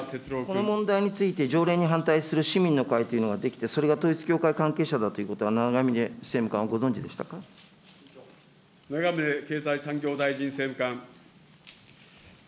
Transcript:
この問題について、条例に反対する市民の会というのが出来て、それが統一教会関係者だということは、長峯政務官はご存じでした長峯経済産業大臣政務官。